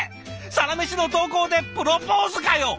「サラメシ」の投稿でプロポーズかよ！